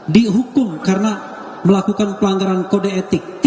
dihukum karena melakukan pelanggaran kode etik